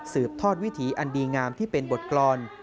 ทอดวิถีอันดีงามที่เป็นบทกรรม